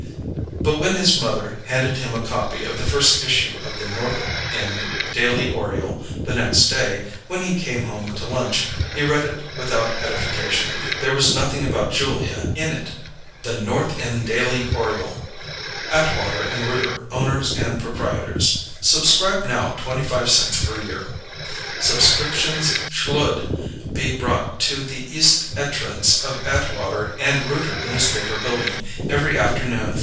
But when his mother handed him a copy of the first issue of The North End Daily Oriole, the next day, when he came home to lunch, he read it without edification; there was nothing about Julia in it. THE NORTH END DAILY ORIOLE Atwater & Rooter Owners & Propreitors SUBSCRIBE NOW 25 Cents Per Year Subscriptions shloud be brought to the East etrance of Atwater & Rooter Newspaper Building every afternoon 4.